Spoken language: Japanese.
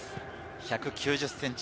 １９０ｃｍ。